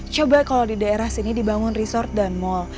coba kalau di daerah sini dibangun resort dan mall